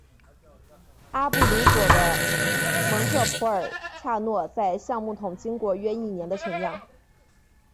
阿布鲁佐的蒙特普尔恰诺在橡木桶经过约一年的陈酿。